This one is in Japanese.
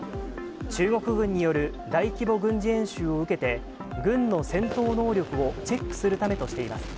中国軍による大規模軍事演習を受けて、軍の戦闘能力をチェックするためとしています。